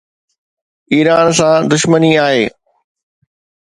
Iran سان دشمني آهي.